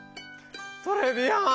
トレビアーン！